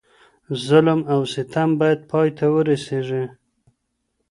ظلم او ستم بايد پای ته ورسيږي.